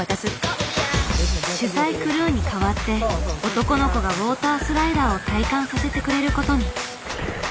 取材クルーに代わって男の子がウォータースライダーを体感させてくれることに。